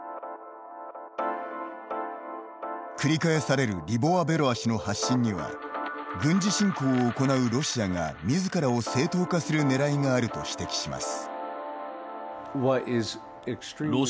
繰り返されるリボワベロワ氏の発信には軍事侵攻を行うロシアが自らを正当化する狙いがあると指摘します。